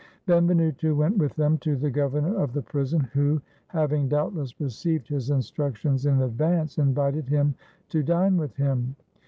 Benvenuto went with them to the governor of the prison, who, having doubtless received his instructions in advance, invited him to dine with him.